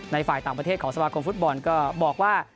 ฝ่ายต่างประเทศของสมาคมฟุตบอลก็บอกว่า